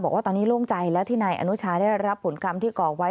บอกว่าตอนนี้โล่งใจแล้วที่นายอนุชาได้รับผลกรรมที่ก่อไว้